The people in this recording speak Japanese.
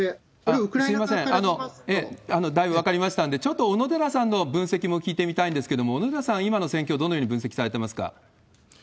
これ、すみません、だいぶ分かりましたんで、ちょっと小野寺さんの分析も聞いてみたいんですけれども、小野寺さん、今の戦況、どのように分析されてますか？